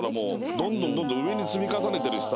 どんどんどんどん上に積み重ねてるしさ。